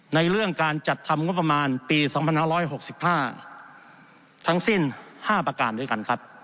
ในเรื่องการจัดทำงบประมาณปี๒๕๖๕ทั้งสิ้น๕ประการด้วยกันครับ